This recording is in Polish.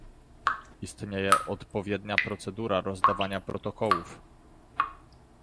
Istnieje odpowiednia procedura rozdawania protokołów